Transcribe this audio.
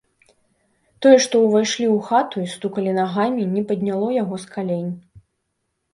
Тое, што ўвайшлі ў хату і стукалі нагамі, не падняло яго з калень.